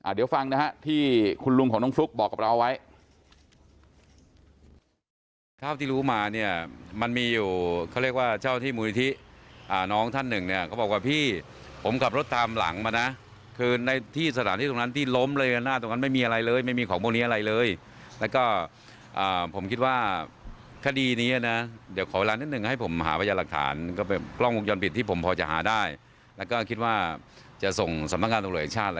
เดี๋ยวฟังนะฮะที่คุณลุงของน้องฟลุ๊กบอกกับเราไว้